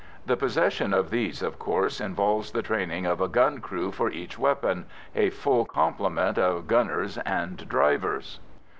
The possession of these, of course, involves the training of a gun crew for each weapon a full complement of gunners and drivers.